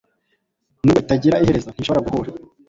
nubwo itagira iherezo, ntishobora guhura